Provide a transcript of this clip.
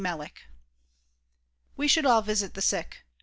Melick WE should all visit the sick.